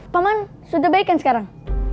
paman sudah baik kan sekarang